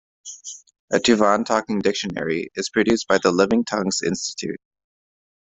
A Tuvan talking dictionary is produced by the Living Tongues Institute.